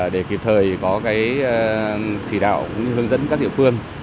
để kịp thời có chỉ đạo cũng như hướng dẫn các địa phương